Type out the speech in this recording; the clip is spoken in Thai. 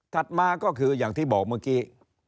มาก็คืออย่างที่บอกเมื่อกี้